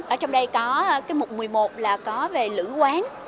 ở trong đây có cái mục một mươi một là có về lữ quán